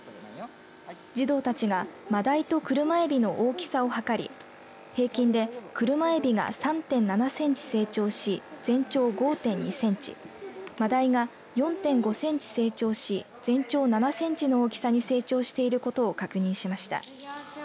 児童たちが、マダイとクルマエビの大きさを測り平均でクルマエビが３．７センチ成長し全長５．２センチマダイが４．５センチ成長し全長７センチの大きさに成長していることを確認しました。